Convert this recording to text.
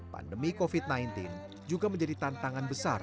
pandemi covid sembilan belas juga menjadi tantangan besar